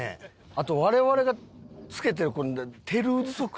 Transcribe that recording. あと我々が着けてるこれ。